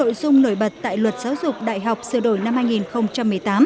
nội dung nổi bật tại luật giáo dục đại học sửa đổi năm hai nghìn một mươi tám